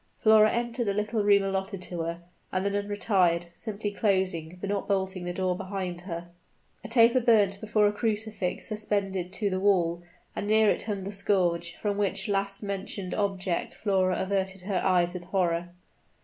Flora entered the little room allotted to her, and the nun retired, simply closing, but not bolting the door behind her. A taper burnt before a crucifix suspended to the wall; and near it hung a scourge, from which last mentioned object Flora averted her eyes with horror.